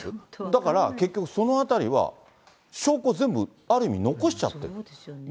だから結局、そのあたりは証拠、全部、ある意味残しちゃってる。